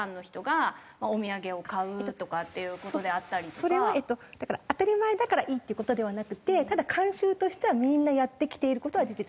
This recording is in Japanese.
それはだから当たり前だからいいっていう事ではなくてただ慣習としてはみんなやってきている事は事実で。